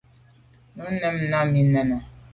Nu mèn nà mi me nène.